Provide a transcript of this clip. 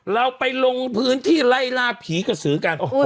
เราไปลงพื้นที่ไล่ล่าผีกระสือกัน